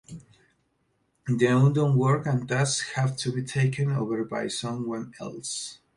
The undone work and tasks have to be taken over by someone else.